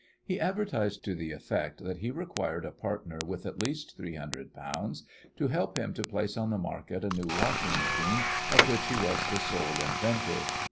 He advertised to the effect that he required a partner with at least three hundred pounds to help him to place on the market a new washing machine, of which he was the sole inventor.